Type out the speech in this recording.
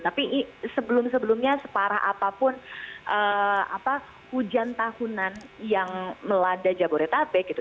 tapi sebelum sebelumnya separah apapun hujan tahunan yang melanda jabodetabek gitu